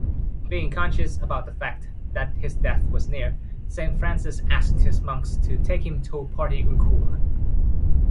Being conscious about the fact that his death was near, St Francis asked his monks to take him to Portiuncula.